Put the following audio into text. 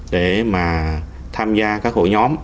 để mà tham gia các hội nhóm